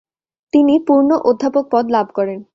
তিনি পূর্ণ অধ্যাপক পদ লাভ করেন।